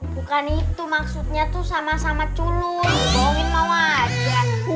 bukan itu maksudnya tuh sama sama culun bohongin mau aja